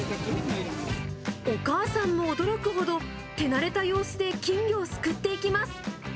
お母さんも驚くほど、手なれた様子で金魚をすくっていきます。